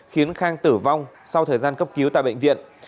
khiến khang tử vong sau thời gian cấp cứu tại bệnh viện